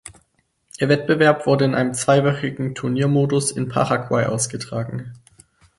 Der Wettbewerb wurde in einem zweiwöchigen Turniermodus in Paraguay ausgetragen.